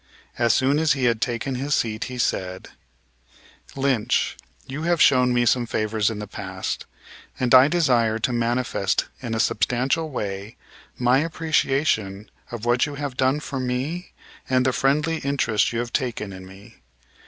As soon as he had taken his seat he said: "Lynch, you have shown me some favors in the past, and I desire to manifest in a substantial way my appreciation of what you have done for me and the friendly interest you have taken in me.